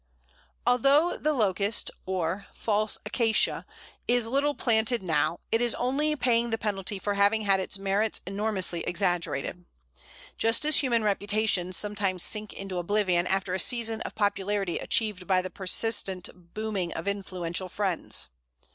Although the Locust, or False Acacia, is little planted now, it is only paying the penalty for having had its merits enormously exaggerated; just as human reputations sometimes sink into oblivion after a season of popularity achieved by the persistent "booming" of influential friends.